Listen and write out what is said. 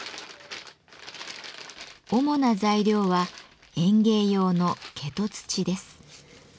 主な材料は園芸用の化土土です。